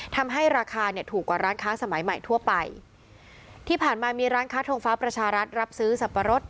ทำให้ราคาเนี่ยถูกกว่าร้านค้าสมัยใหม่ทั่วไปที่ผ่านมามีร้านค้าทงฟ้าประชารัฐรับซื้อสับปะรด